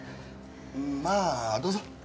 まあどうぞ。